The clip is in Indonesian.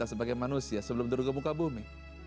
sebagai manusia sebelum terluka muka bumi